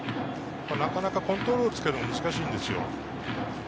なかなかコントロールをつけるのが難しいんですよ。